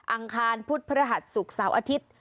อังคารพุธพระหัสศุกร์เสาร์อาทิตย์